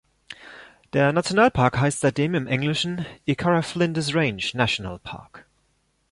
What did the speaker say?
Der Nationalpark heißt seitdem im Englischen "Ikara-Flinders Range National Park".